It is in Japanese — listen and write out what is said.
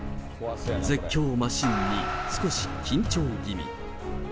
絶叫マシンに少し緊張気味。